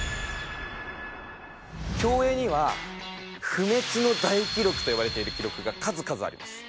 競泳には不滅の大記録と呼ばれている記録が数々あります。